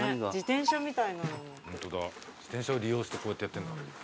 自転車を利用してこうやってやってんだ。